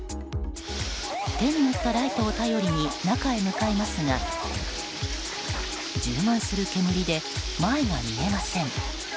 手に持ったライトを頼りに中へ向かいますが充満する煙で前が見えません。